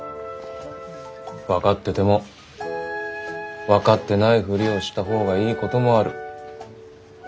分かってても分かってないふりをした方がいいこともある。